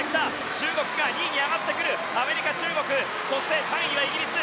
中国が２位に上がってくるアメリカ中国そして３位にはイギリス。